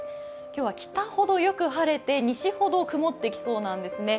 今日は北ほどよく晴れて、西ほど曇ってきそうなんですね。